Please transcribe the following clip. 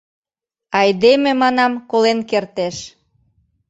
Айдеме, манам, колен кертеш...